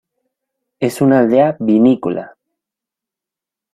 Es una aldea vinícola.